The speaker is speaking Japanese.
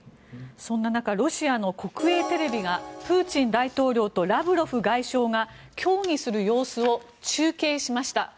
そんな中ロシアの国営テレビがプーチン大統領とラブロフ外相が協議する様子を中継しました。